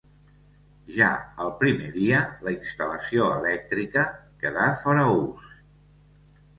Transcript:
Ja al primer dia, la instal·lació elèctrica quedar fora ús.